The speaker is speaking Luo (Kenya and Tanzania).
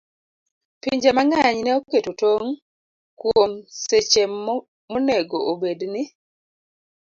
Pinje mang'eny ne oketo tong' kuom seche monego obed ni